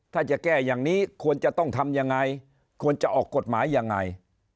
ถ้าจะแก้อย่างนี้ควรจะต้องทำยังไงควรจะออกกฎหมายยังไง